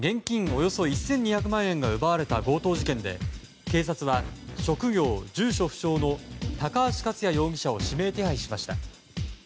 およそ１２００万円が奪われた強盗事件で警察は職業・住所不詳の高橋勝也容疑者を指名手配しました。